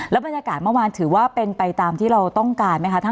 บรรยากาศเมื่อวานถือว่าเป็นไปตามที่เราต้องการไหมคะท่าน